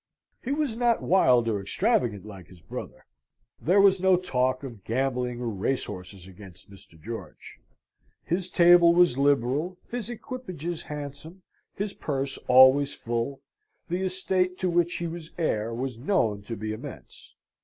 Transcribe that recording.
He was not wild or extravagant like his brother. There was no talk of gambling or racehorses against Mr. George; his table was liberal, his equipages handsome, his purse always full, the estate to which he was heir was known to be immense.